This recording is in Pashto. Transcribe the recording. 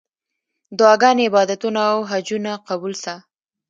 دعاګانې، عبادتونه او حجونه قبول سه.